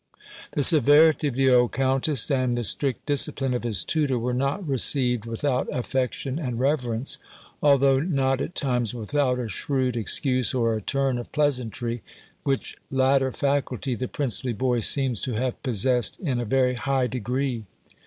The severity of the old countess, and the strict discipline of his tutor, were not received without affection and reverence; although not at times without a shrewd excuse, or a turn of pleasantry, which latter faculty the princely boy seems to have possessed in a very high degree.